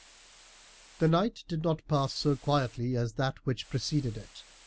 The night did not pass so quietly as that which had preceded it.